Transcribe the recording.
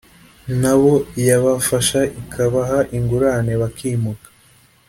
nabo yabafasha ikabaha ingurane bakimuka